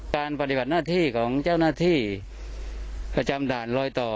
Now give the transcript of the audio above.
ปฏิบัติหน้าที่ของเจ้าหน้าที่ประจำด่านลอยต่อ